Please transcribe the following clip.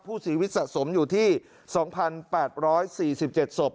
ผู้เสียชีวิตสะสมอยู่ที่๒๘๔๗ศพ